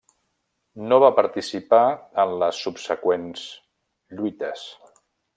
No va participar en les subseqüents lluites.